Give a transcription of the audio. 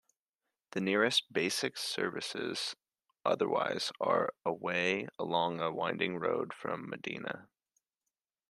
The nearest basic services, otherwise, are away along a winding road from Maydena.